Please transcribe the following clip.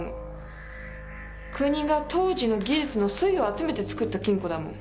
国が当時の技術の粋を集めて作った金庫だもん。